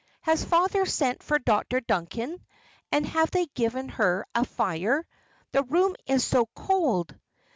Has father sent for Dr. Duncan, and have they given her a fire? the room is so cold!"